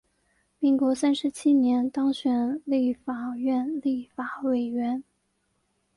民国三十七年当选立法院立法委员。